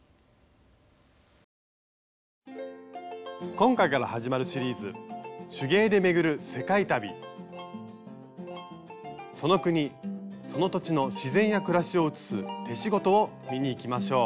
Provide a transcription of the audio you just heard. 今回から始まるシリーズその国その土地の自然や暮らしをうつす手仕事を見にいきましょう。